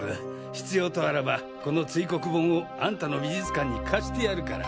必要とあらばこの堆黒盆をあんたの美術館に貸してやるから。